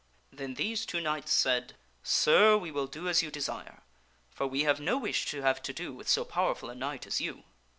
Then these two knights said, " Sir, we will do as you desire, for we have no wish to have to do with so powerful a knight as you."